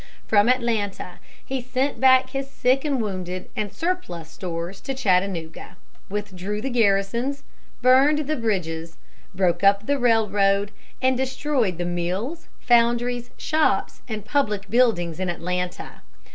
From Atlanta, he sent back his sick and wounded and surplus stores to Chattanooga, withdrew the garrisons, burned the bridges, broke up the railroad, and destroyed the mills, foundries, shops and public buildings in Atlanta.